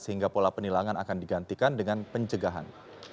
sehingga pola penilangan akan digantikan dengan pencegahan